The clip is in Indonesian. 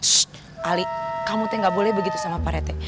shhh ali kamu tuh gak boleh begitu sama pak rt